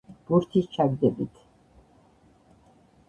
ბურთის ჩაგდებით.